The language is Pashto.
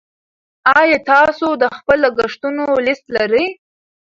ایا تاسو د خپلو لګښتونو لیست لرئ.